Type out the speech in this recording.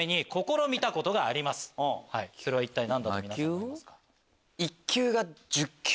それは一体何だと思いますか？